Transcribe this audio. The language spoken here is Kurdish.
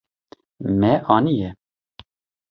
Me aniye.